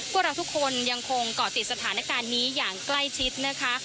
พวกเราทุกคนยังคงเกาะติดสถานการณ์นี้อย่างใกล้ชิดนะคะ